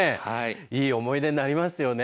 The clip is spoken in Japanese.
いい思い出になりますよね。